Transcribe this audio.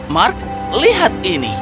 mark lihat ini